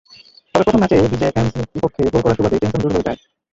তবে প্রথম ম্যাচে বিজেএমসির বিপক্ষে গোল করার সুবাদে টেনশন দূর হয়ে যায়।